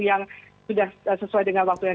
yang sudah sesuai dengan waktu yang